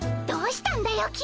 どうしたんだよ